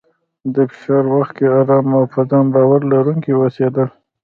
د فشار وخت کې ارام او په ځان باور لرونکی اوسېدل،